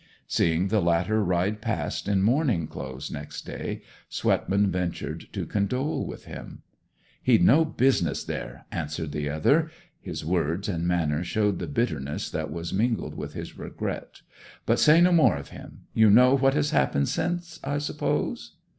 Seeing the latter ride past in mourning clothes next day, Swetman ventured to condole with him. 'He'd no business there!' answered the other. His words and manner showed the bitterness that was mingled with his regret. 'But say no more of him. You know what has happened since, I suppose?'